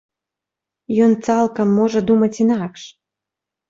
Ён цалкам можа думаць інакш.